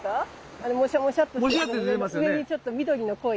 あのモシャモシャっとしてるところの上にちょっと緑の濃い。